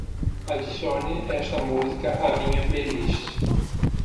Adicione esta música à minha playlist.